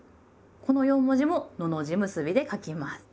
この四文字ものの字結びで書きます。